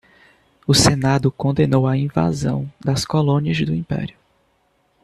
O senado condenou a invasão das colônias do império.